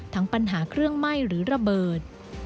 ทั้งปัญหาเครื่องไหม้หรือระเบิด